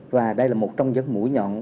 và đây là một trong những mũi nhọn